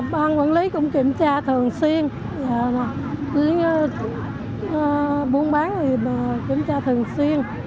ban quản lý cũng kiểm tra thường xuyên buôn bán thì kiểm tra thường xuyên